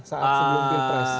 saat sebelum pilpres